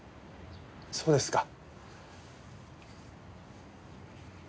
そうですか。